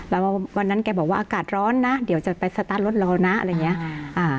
แล้ววันนั้นแกบอกว่าอากาศร้อนนะเดี๋ยวจะไปสตาร์ทรถเรานะอะไรอย่างเงี้ยอ่า